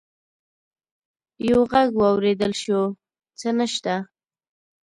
يو غږ واورېدل شو: څه نشته!